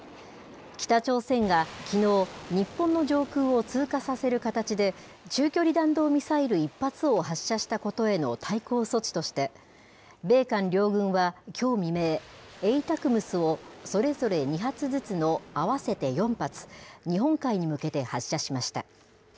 北朝鮮がきのう、日本の上空を通過させる形で、中距離弾道ミサイル１発を発射したことへの対抗措置として、米韓両軍はきょう未明、ＡＴＡＣＭＳをそれぞれ２発ずつの合わせて４発、日本海に向けて発射しました。